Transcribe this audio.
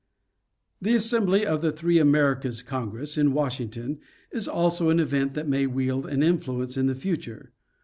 The assembly of the "Three Americas Congress" in Washing ton, is also an event that may wield an influence in the future.